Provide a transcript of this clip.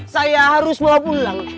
saya harus mau pulang